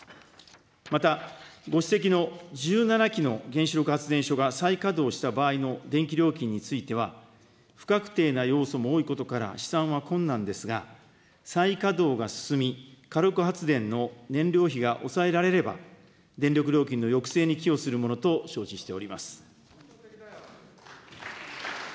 また、ご指摘の１７基の原子力発電所が再稼働した場合の電気料金については、不確定な要素も多いことから、試算は困難ですが、再稼働が進み、火力発電の燃料費が抑えられれば、電力料金の抑制に寄与するものと承知しております。